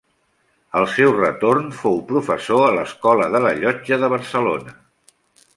Al seu retorn fou professor a l'Escola de la Llotja de Barcelona.